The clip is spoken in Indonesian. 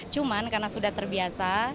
cuman karena sudah terbiasa